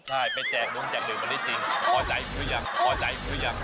ใช่ไปแจกลงจากเดือนมันไม่ได้จริงพอใจหรือยัง